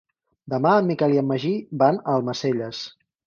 Demà en Miquel i en Magí van a Almacelles.